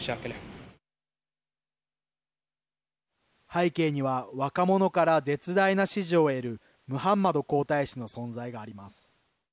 背景には若者から絶大な支持を得るムハンマド皇太子の存在があります。